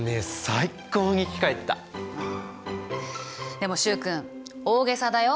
でも習君大げさだよ。